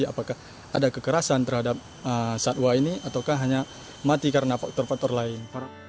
apakah ada kekerasan terhadap satwa ini ataukah hanya mati karena faktor faktor lain